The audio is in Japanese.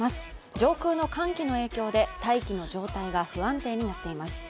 上空の寒気の影響で大気の状態が不安定になっています。